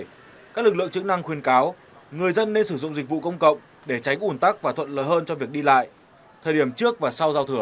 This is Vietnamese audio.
vì vậy các lực lượng chức năng khuyên cáo người dân nên sử dụng dịch vụ công cộng để tránh ủn tắc và thuận lợi hơn cho việc đi lại thời điểm trước và sau giao thửa